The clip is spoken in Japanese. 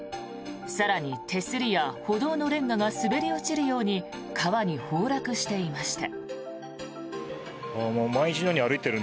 更に、手すりや歩道のレンガが滑り落ちるように川に崩落していました。